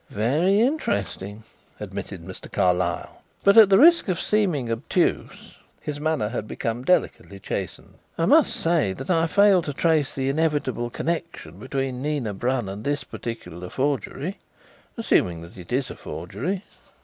"Very interesting," admitted Mr. Carlyle; "but at the risk of seeming obtuse" his manner had become delicately chastened "I must say that I fail to trace the inevitable connexion between Nina Brun and this particular forgery assuming that it is a forgery."